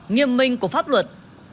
nghiêm minh của pháp luật